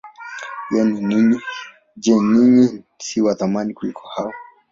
Je, ninyi si wa thamani kuliko hao?